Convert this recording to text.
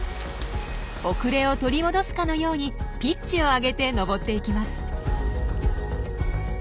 遅れを取り戻すかのようにピッチを上げて登っていきます。